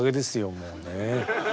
もうね。